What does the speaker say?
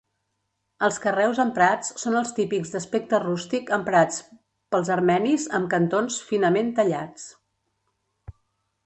Els carreus emprats són els típics d'aspecte rústic emprats pels armenis amb cantons finament tallats.